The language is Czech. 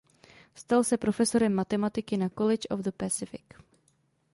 Stal se profesorem matematiky na College of the Pacific.